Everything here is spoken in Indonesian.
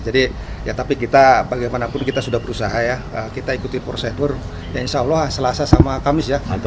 jadi ya tapi kita bagaimanapun kita sudah berusaha ya kita ikuti prosedur ya insya allah selasa sama kamis ya